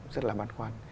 rất là băn khoăn